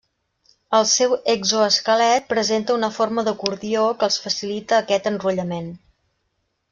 El seu exoesquelet presenta una forma d'acordió que els facilita aquest enrotllament.